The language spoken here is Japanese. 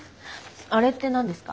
あれって何ですか？